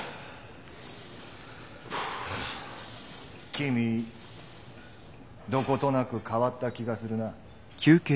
君どことなく変わった気がするな。